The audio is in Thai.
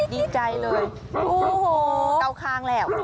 ดีใจเลยกาวคลางแล้ว